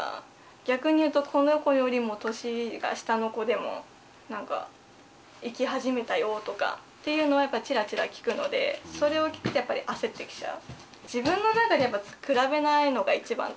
逆に言うとこの子よりも年が下の子でもなんか行き始めたよとかっていうのはチラチラ聞くのでそれを聞くとやっぱり焦ってきちゃう。